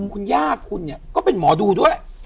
คุณย่าคุณเนี่ยก็เป็นหมอดูด้วย